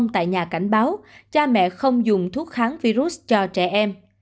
tại nhà cảnh báo cha mẹ không dùng thuốc kháng virus cho trẻ em